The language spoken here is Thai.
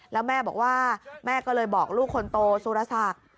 แล้วแม่บอกว่าแม่ก็เลยบอกลูกคนโตสุรศักดิ์